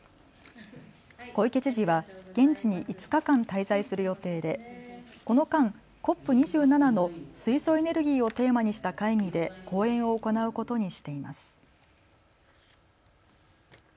小池知事は現地に５日間滞在する予定でこの間、ＣＯＰ２７の水素エネルギーをテーマにした会議で講演を行うことにしています。